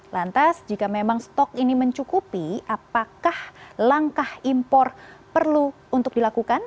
lantas jika memang stok ini mencukupi apakah langkah impor perlu untuk dilakukan